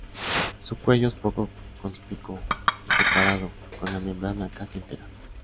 Su cuello es poco conspicuo y separado, con la membrana casi entera.